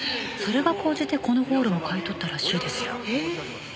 それが高じてこのホールも買い取ったらしいですよ。